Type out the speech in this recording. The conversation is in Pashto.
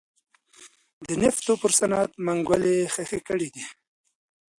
د نفتو پر صنعت منګولې خښې کړې دي.